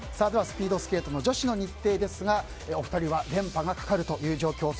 スピードスケート女子の日程ですがお二人は連覇がかかるという状況。